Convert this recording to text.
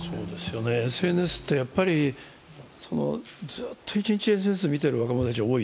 ＳＮＳって、やっぱりずっと一日ＳＮＳを見ている若者が多い。